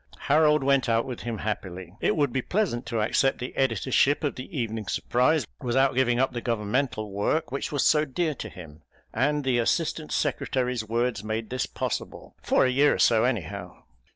Harold went out with him happily. It would be pleasant to accept the editorship of The Evening Surprise without giving up the Governmental work which was so dear to him, and the Assistant Secretary's words made this possible, for a year or so anyhow.